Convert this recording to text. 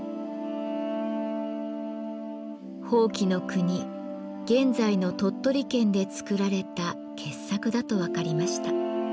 伯耆国現在の鳥取県で作られた傑作だと分かりました。